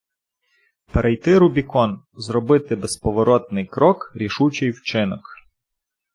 Перейти Рубікон зробити безповоротний крок, рішучий вчинок.